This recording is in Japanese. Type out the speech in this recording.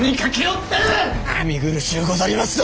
見苦しゅうござりますぞ！